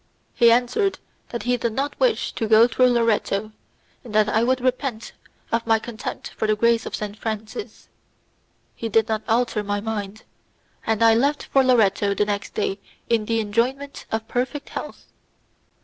He answered that he did not wish to go through Loretto, and that I would repent of my contempt for the grace of Saint Francis. I did not alter my mind, and I left for Loretto the next day in the enjoyment of perfect health.